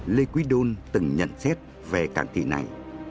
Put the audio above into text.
lê quý đôn từng nhận xét về cảng kỳ này